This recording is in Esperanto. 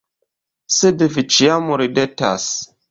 Sed Vi ĉiam ridetas.